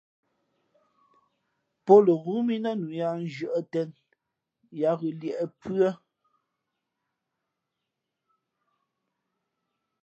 Pō lαghoó mí nά nǔ yāā nzhʉ̄ᾱꞌ tēn yáá ghʉ̌ līēʼ pʉ́ά.